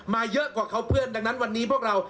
เยอะกว่าเขาเพื่อนดังนั้นวันนี้พวกเรา